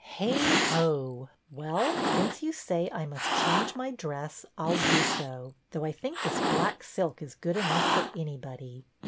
" Heigh ho ! Well, since you say I must change my dress, I 'll do so, though I think this black silk is good enough for anybody."